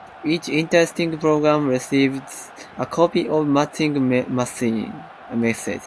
Each listening program receives a copy of matching messages.